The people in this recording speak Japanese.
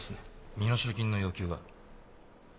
身代金の要求は？